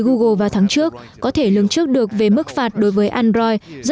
google vào tháng trước có thể lương trước được về mức phạt đối với android